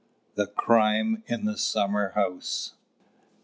THE CRIME IN THE SUMMER HOUSE.